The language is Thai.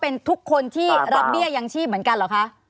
เป็นทุกคนที่รับเบี้ยยังชีพเหมือนกันเหรอคะ